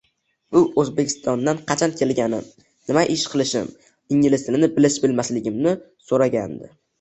U Oʻzbekstondan qachon kelganim, nima ish qilishim, ingliz tilini bilish-bilmasligimni soʻragadi.